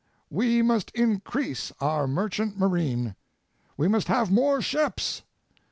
We must increase our merchant marine. We must have more ships.